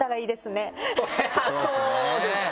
そうですね。